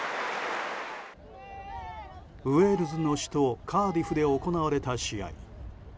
ウェールズの首都カーディフで行われた試合。